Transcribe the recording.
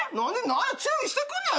何や注意してくんなよ